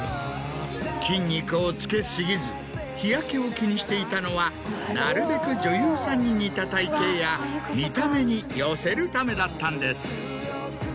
筋肉をつけ過ぎず日焼けを気にしていたのはなるべく女優さんに似た体形や見た目に寄せるためだったんです。